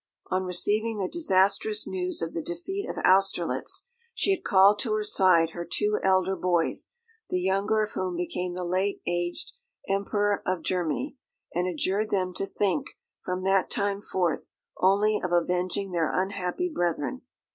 On receiving the disastrous news of the defeat of Austerlitz, she had called to her side her two elder boys, the younger of whom became the late aged Emperor of Germany, and adjured them to think, from that time forth, only of avenging their unhappy brethren.